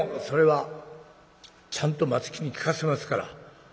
「それはちゃんと松木に聞かせますから。